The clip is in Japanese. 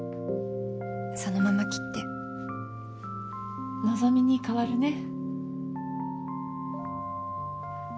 そのまま切って望に代わるね。